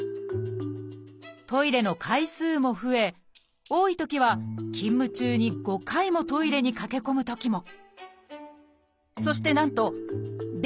トイレの回数も増え多いときは勤務中に５回もトイレに駆け込むときも。